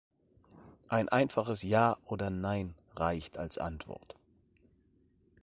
Ein einfaches Ja oder Nein reicht als Antwort.